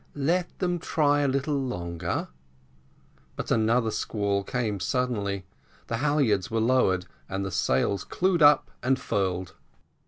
"Try them a little longer;" but another squall came suddenly the halyards were lowered, and the sails clewed up and furled.